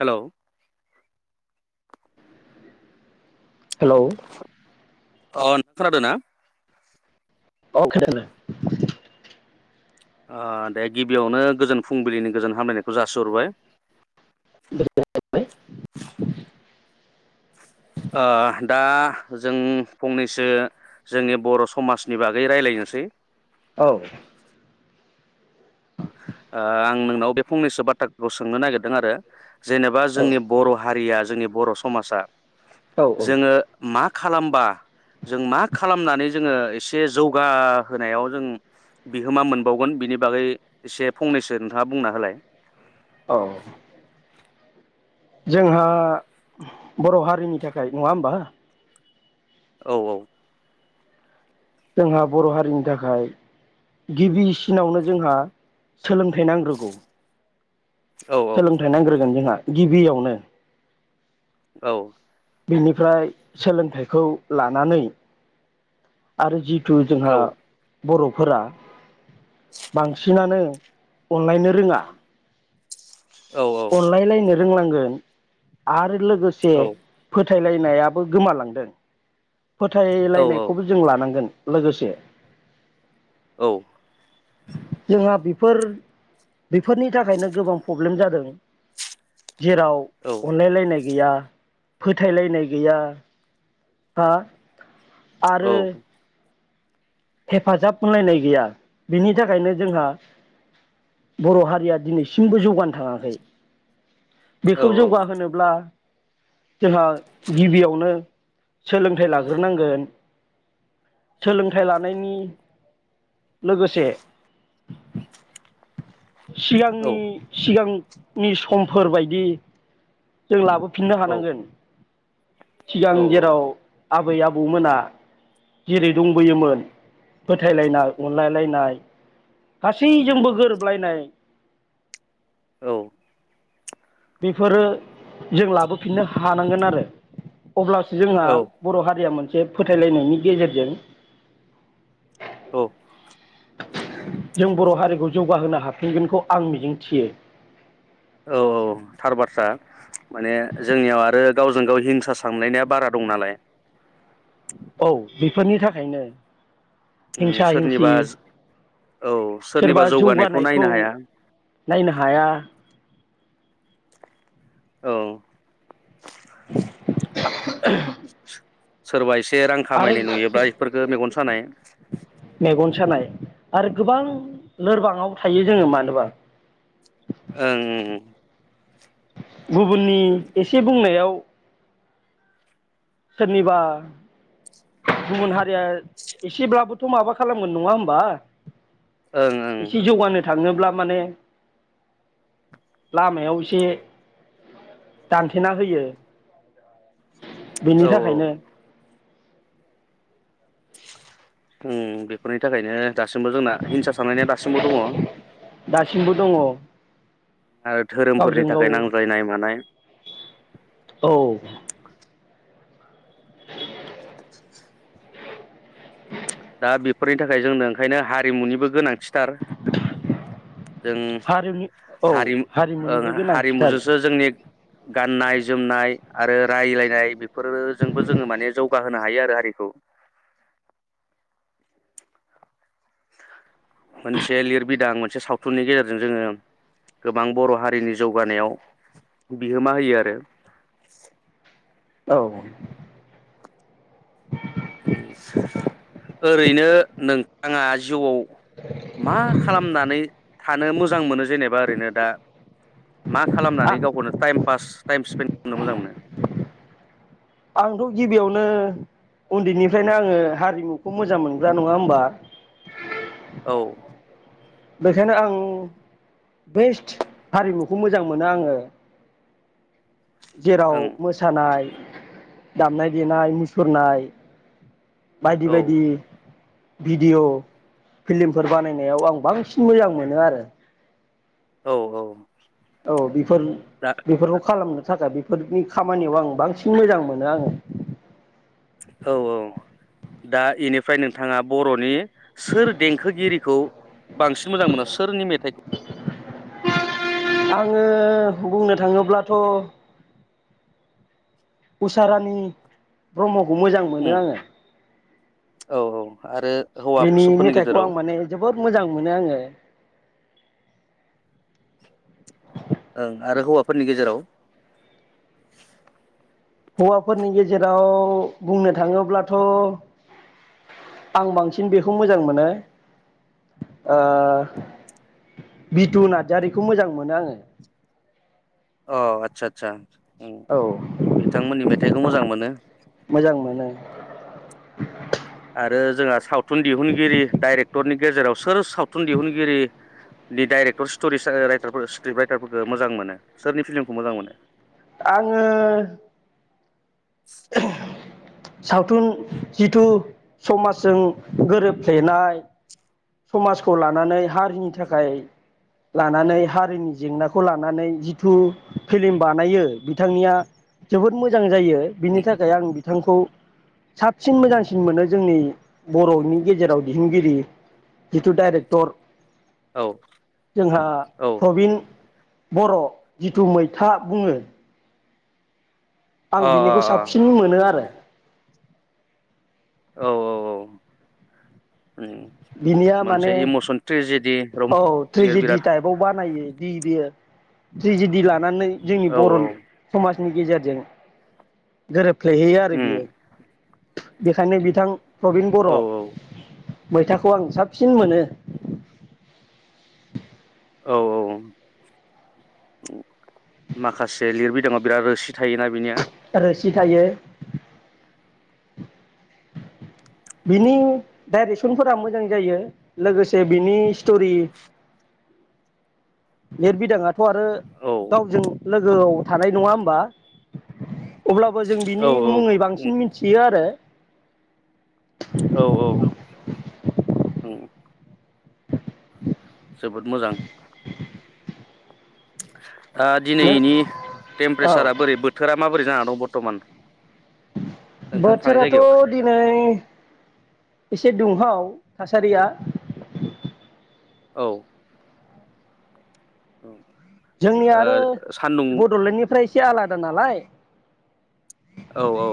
Hello hello अ नोंथां खोनादों ना? अ खोनादों ओ दे गिबियावनो गोजोन फुंबिलिनि गोजोन हामलायनायखौ जासिहरबाय। [unintelligible] ओ दा जों फंनैसो जोंनि बर' समाजनि बागै रायज्लायनोसै। औ ओ आं नोंनाव बे फंनैसो बाथ्राफोरखौ सोंनो नागिरदों आरो। जेनेबा जोंनि बर' हारिया जोंनि बर' समाजा औ औ जोङो मा खालामबा जों मा खालामनानै जोङो एसे जौगाहोनायाव जों बिहोमा मोनबावगोन बिनि बागै एसे फंनैसो नोंथाङा बुंना होलाय। औ जोंहा बर' हारिनि थाखाय नङा होमबा? औ औ जोंहा बर' हारिनि थाखाय गिबिसिनावनो जोंहा सोलोंथाइ नांग्रोगौ। औ सोलोंथाइ नांग्रोगोन जोंहा। गिबियावनो औ बिनिफ्राय सोलोंथाइखौ लानानै आरो जि थु जोंहा बर'फोरा बांसिनानो अनलायनो रोङा औ औ अनलाय लायनो रोंनांगोन आरो लो लोगोसे औ फो थायलायनायाबो गोमालांदों औ औ फोथायलायनायखौबो जों लानांगोन लोगोसे औ जोंहा बेफोर बेफोरनि थाखायनो गोबां प्रब्लेम जादों जेराव अनलायलायनाय गैया फोथायलायनाय गैया हा आरो हेफाजाब होनलायनाय गैया बेनि थाखायनो जोंहा बर' हारिया दिनैसिमबो जौगानो थाङाखै बेखौ जौगाहोनोब्ला जोंहा गिबियावनो सोलोंथाइ लाग्रोनांगोन सोलोंथाइ ला नायनि लोगोसे सिगांनि सिगां नि समफोरबायदि जों लाबो फिन्नो औ हानांगोन सिगां जेराव आबै आबौमोना जेरै दंबोयोमोन फोथायलायनाय अनलायलायनाय गासैजोंबो गोरोबलायनाय औ बेफोरो जों लाबोफिननो हानांगोन आरो अब्लासो जोंहा बर' हारिया मोन फोथायलायनायनि गेजेरजों औ हाब फिनगोनखौ आं मिजिं थियो औ औ थार बाथ्रा माने जोंनियाव आरो गावजों गाव हिंसा सानलायनाया बारा दं नालाय फोरनि थाखायनो उम हिंसा हिंसि सोरनिबा औ सोरनिबा सोरबा जौगानायखौ नायनो हाया नायनो हाया औ [unintelligible] सोरबा एसे रां आरो खामायनाय नुयोब्ला बेफोरखौ मेगन सानाय मेगन सानाय आरो गोबां लोरबाङाव थायो जोङो मानोबा ओं गुबुननि ओं एसे बुंनायाव सोरनिबा गुबुन हारिया एसेब्लाबोथ' माबा खालामगोन नङा होमबा ओं ओं एसे जौगानो थाङोब्ला माने लामायाव एसे दानथेना होयो औ बेनि औ थाखायनो उम बेफोरनि थाखायनो दासिमबो जोंना हिंसा सानलायनाया दासिमबो दङ दासिमबो दङ ओ धोरोमफोरनि गावजों थाखाय गाव नांज्लायनाय मानाय औ [inaudible] दा बेफोरनि थाखाय जोंनो ओंखायनो हारिमुनिबो गोनां थिथार जों हारिनि औ हारिमु हारिमुनिबो ओं गोनांथिथार हारिमुजोंसो जोंनि गाननाय जोमनाय आरो रायलायनाय बेफोरजोंबो जोङो माने जौगाहोनो हायो आरो हारिखौ मोनसे लिरबिदां मोनसे साव सावथुननि गेजेरजों जोङो गोबां बर' हारिनि जौगानायाव बिहोमा होयो आरो औ [unintelligible] ओरैनो नोंथाङा जिउआव मा खालामनानै? थानो मोजां मोनो जेनेबा ओरैनो दा मा खालामनानै गावखौनो टाइम पास टाइम स्पेन बुंनो मोजां मोनो आंथ' गिबियावनो उन्दैनिफ्रायनो आङो हारिमुखौ मोजां मोनग्रा नङा होमबा औ बेखायनो आं बेस्ट हारिमुखौ मोजां मोनो आङो जेराव ओं मोसानाय दामनाय देनाय मुसुरनाय बायदि औ बायदि भिडिय' फिल्मफोर बानायनायाव आं बांसिन मोजां मोनो आरो औ औ औ बेफोर दा बेफोरखौ खालामगोन थाखाय बेफोरनि खामानियाव आं बांसिन मोजां मोनो आङो औ औ दा इनिफ्राय नोंथाङा बर'नि सोर देंखोगिरिखौ बांसिन मोजां मोनो सोरनि मेथाइखौ? आङो बुंनो थाङोब्लाथ' उसारानि ब्रह्म मोजां उम मोनो आङो। औ औ आरो बेनि हौवाफोरनि मेथाइखौ गेजेराव आं माने जोबोद मोजां मोनो आङो ओं आरो हौवाफोरनि गेजेराव हौवाफोरनि गेजेराव बुंनो थाङोब्लाथ' आं बांसिन बेखौ मोजां मोनो बितु नार्जारिखौ मोजां मोनो आङो। अ आतसा आतसा औ बिथांमोननि मेथाइखौ मोजां मोनो मोजां मोनो आरो जोंहा साउथ थुन दिहुनगिरि डाइरेक्ट क्टरनि गेजेराव सोर सावथुन दिहुनगिरिनि डाइरेक्टर स्ट'रि राइटारफोर स्क्रिप्ट राइटारफोरखौ मोजां मोनो सोरनि फिल्मखौ मोजां मोनो। आङो सावथुन जिथु समाजजों गोरोबफ्लेनाय समाजखौ लानानै हारिनि थाखाय लानानै हारिनि जेंनाखौ लानानै जिथु फिल्म बानायो बिथांनिया जोबोद मोजां जायो। बिनि उम थाखाय आं बिथांखौ साबसिन मोजांसिन मोनो जोंनि बर'नि गेजेराव दिहुनगिरि जिथु डाइरेक्टर औ जोंहा औ प्रबिन बर' जिथु मैथा बुङो। आं अ अ बिनिखौ अ साबसिन मोनो आरो। औ औ औ उम बिनिया मोनसे माने इमसन ट्रेजेडि र ल बिराद बे-बेयो त्रेजिदि ला लानानै जोंनि औ बर' समाज नि गेजेरजों गोरोब ख्लैहैयो आरो उम बियो बेखायनो बिथां प्रबिन बर' औ मैथाखौ आं साबसिन मोनो। औ औ माखासे लिरबिदाङाव बिराद रोसि थायोना बिनिया। आरो खि थायो। बिनि डाइरेक्सनफोरा मोजां जायो लोगोसे बिनि स्ट'रि लिरबिदाङा थ' आरो औ गावजों लोगोआव थानाय नङा होमबा अब्लाबो जों बिनि औ औ मुङै उम बांसिन मिथियो आरो औ औ औ जोबोद मोजां [inaudible] दा नों दिनैनि औ टेम्पारेसारा बोरै बोथोरा माबोरै जानानै बर्थमान नोंथां थानाय बोथोराथ' जायगायाव दिनै एसे दुंहाव थासारिया औ औ जोंनि आरो बड'लेण्डनिफ्राय एसे आलादा नालाय औ औ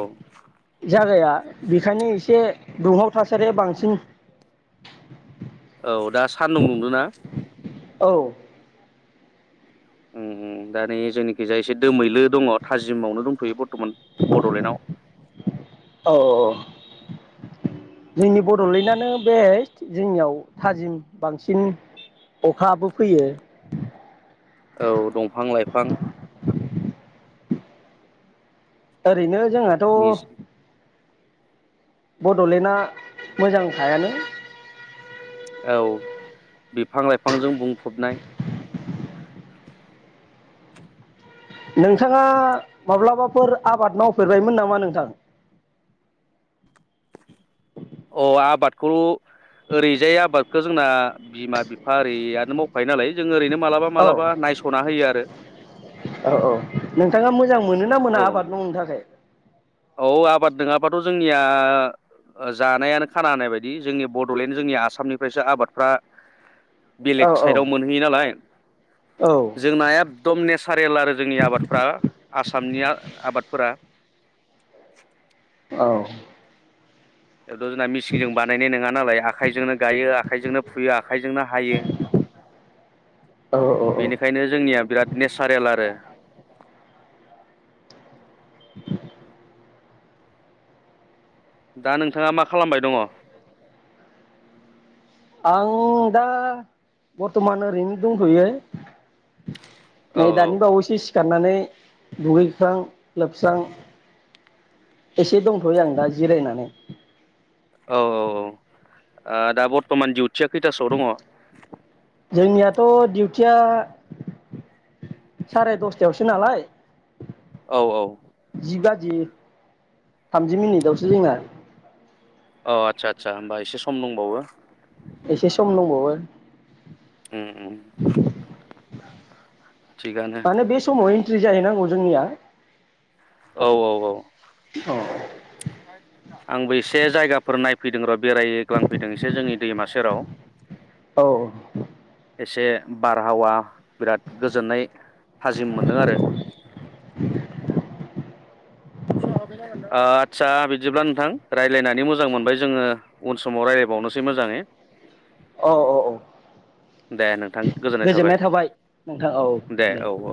जागाया बेखायनो एसे दुंहाव थासारिया बांसिन औ दा सान्दुं दुंदों ना औ दा नै जोंनिखैजाय एसे दोमैलो दङ थाजिमावनो दंथ'यो बरथमान बड'लेण्डआव औ जोंनि बड'लेण्डआनो बेस्ट जोंनियाव थाजिम बांसिन अखाबो फैयो औ दंफां लाइफां ओरैनो जोंनाथ' नि बड'लेण्डआ मोजां खायानो औ बिफां लाइफांजों बुंफबनाय नोंथाङा माब्लाबाफोर आबाद मावफेरबायमोन नामा नोंथां अ आबादखौ ओरैजाय आबादखौ जोंना बिमा बिफा ओरैयानो मावखायो नालाय जों ओरैनो मालाबा औ मालाबा नायस'ना होयो आरो औ औ नोंथाङा मोजां मोनोना मोना औ आबाद मावनो थाखाय औ आबाद नङाबाथ' जोंनिया जानायानो खाना होनानाय बायदि जोंनि बड'लेण्ड जोंनि आसामनिफ्रायसो आबादफ्रा औ बेलेग साइडआव औ मोनहैयो नालाय औ जों नाया दमनेस कारेल आरो जोंनि आबादफ्रा आसामनि आबादफोरा औ बेथ' जोंना मेचिनजों बानायनाय नङा नालाय आखाइजोंनो गायो आखाइजोंनो फुयो आखाइजोंनो हायो औ औ बेनिखायनो जोंनिया बिराद नेचारेल आरो [inaudible] दा नोंथाङा मा खालामबाय दङ आं दा बर्थमान ओरैनो दंथ'यो औ नै दानि बावैसो सिखार थांनानै दुगैख्रां लोबस्रां एसे दंथयो आं दा जिरायनानै। औ औ ओ दा बर्थमान दिडिउथिया खैथासोआव दङ? जोंनियाथ डिउटिया साराय दसथायावसो नालाय। औ औ जि बाजि थामजि मिनिटावसो जोंना। औ आदसा आदसा होमबा एसे सम दंबावो। एसे सम दंबावो। उम उम थिगानो माने बे समाव एन्ट्रि जाहैनांगौ। जोंनिया औ औ औ औ आंबो इसे जायगाफोर नायफैदों र बेरायग्लांफैदों इसे जोंनि दैमा सेराव। औ एसे बारहावा बिराद गोजोननाय हाजिम मोनदों आरो आदसा बिदिब्ला नोंथां रायज्लायनानै मोजां मोनबाय जोङो उन समाव रायज्लायबावनोसै मोजाङै। औ औ औ दे नोंथां। गोजोननाय थाबाय नोंथां औ दे। औ औ